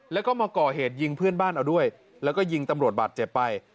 แล้วก็มาก่อเหตุยิงเพื่อนบ้านเอาด้วยแล้วก็ยิงตำรวจบาดเจ็บไป